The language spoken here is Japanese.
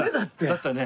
だってね。